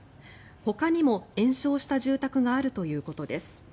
ほかにも延焼した住宅があるということです。